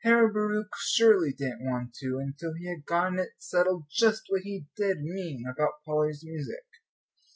Herr Bauricke surely didn't want to until he had gotten it settled just what he did mean about Polly's music.